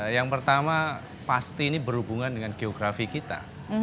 yang pertama pasti ini berhubungan dengan geografi kita